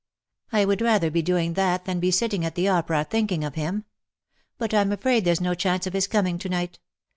^'''* I would rather be doing that than be sitting at the opera, thinking of him. But Pm afraid there's no chance of his coming to night.